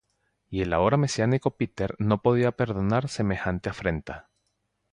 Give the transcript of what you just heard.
Y el ahora mesiánico Peter no podía perdonar semejante afrenta.